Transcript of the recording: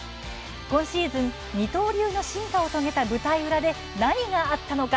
今シーズン、二刀流の進化を遂げた舞台裏で何があったのか？